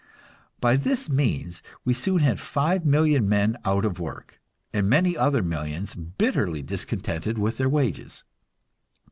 By this means we soon had five million men out of work, and many other millions bitterly discontented with their wages.